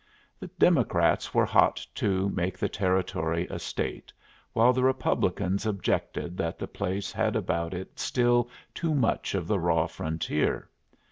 The Democrats were hot to make the Territory a State, while the Republicans objected that the place had about it still too much of the raw frontier.